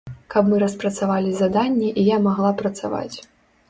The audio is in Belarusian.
Каб мы распрацавалі заданне і я магла працаваць.